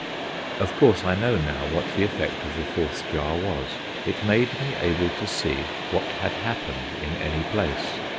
Of course I know now what the effect of the Fourth Jar was; it made me able to see what had happened in any place.